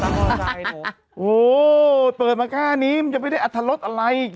มันกลัวมาก้านี้มันจะไม่ได้อัธรรสอะไร